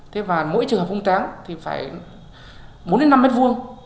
thế và mỗi trường hợp hung táng thì phải bốn năm mét vuông